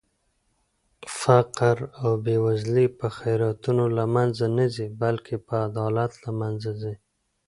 فقر او بې وزلي په خيراتونو لمنخه نه ځي بلکې په عدالت لمنځه ځي